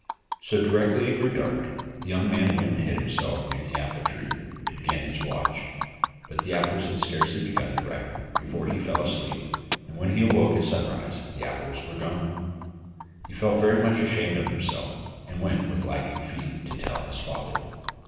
So directly it grew dark the young man went and hid himself near the apple tree to begin his watch, but the apples had scarcely begun to ripen before he fell asleep, and when he awoke at sunrise the apples were gone. He felt very much ashamed of himself, and went with lagging feet to tell his father!